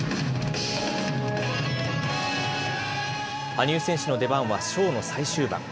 羽生選手の出番は、ショーの最終盤。